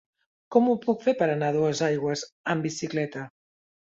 Com ho puc fer per anar a Dosaigües amb bicicleta?